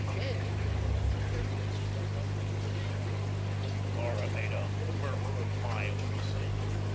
'J.' took it all very decently though, don't you think?" Laura made a murmur of mild assent.